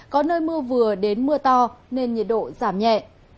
có nơi mưa vừa đến mưa to nên nhiệt độ giảm nhẹ